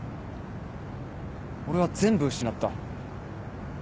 俺は全部失った。